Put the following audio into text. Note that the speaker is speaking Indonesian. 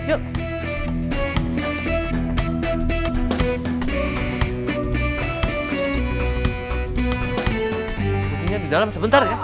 kejunya di dalam sebentar ya